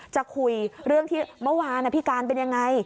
จะคุยเรื่องที่เมื่อวานพี่การเป็นยังไง